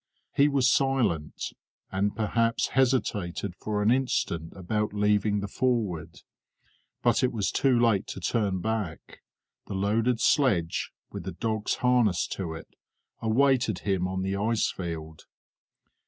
He was silent, and perhaps hesitated for an instant about leaving the Forward, but it was too late to turn back; the loaded sledge, with the dogs harnessed to it, awaited him on the ice field.